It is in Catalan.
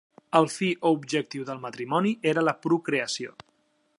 El fi o objectiu del matrimoni era la procreació.